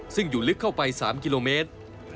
ซึ่งอยู่ลึกเข้าไป๓กิโลเมตร